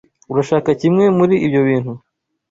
Urashaka kimwe muri ibyo bintu?